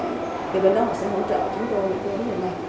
thì bên đó họ sẽ hỗ trợ chúng tôi với những cái hướng này này